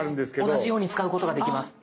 同じように使うことができます。